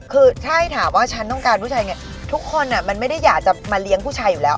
คือใช่ถามว่าฉันต้องการผู้ชายไงทุกคนมันไม่ได้อยากจะมาเลี้ยงผู้ชายอยู่แล้ว